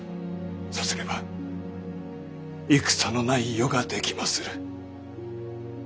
さすれば戦のない世が出来まする。